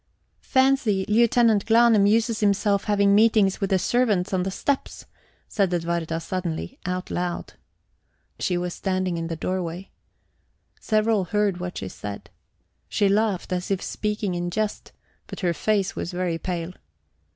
"Fancy Lieutenant Glahn amuses himself having meetings with the servants on the steps!" said Edwarda suddenly, out loud. She was standing in the doorway. Several heard what she said. She laughed, as if speaking in jest, but her face was very pale.